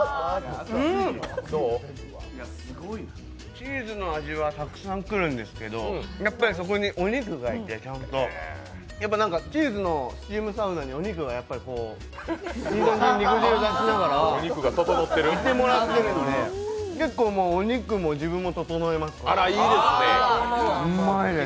チーズの味がたくさんくるんですけどやっぱり、そこにお肉がちゃんといて、チーズのスチームサウナにお肉がやっぱりこう肉汁出しながらいてもらってるんで、結構もう、お肉も自分も、ととのいますね。